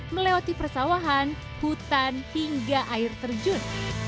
melewati persawahan hutan hingga air terjun